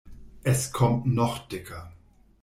Es kommt noch dicker!